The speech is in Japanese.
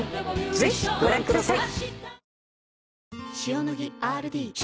ぜひご覧ください。